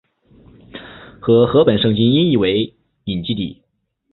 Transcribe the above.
和合本圣经音译为隐基底。